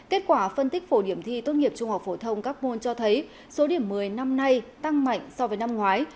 kết quả phân tích phổ điểm thi tốt nghiệp trung học phổ thông các môn cho thấy số điểm một mươi năm nay tăng mạnh so với năm ngoái